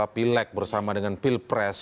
pileg bersama dengan pilpres